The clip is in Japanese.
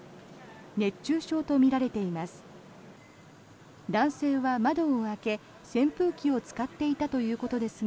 熱中症とみられています。